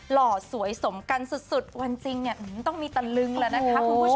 หล่อสวยสมกันสุดวันจริงเนี่ยต้องมีตะลึงแล้วนะคะคุณผู้ชม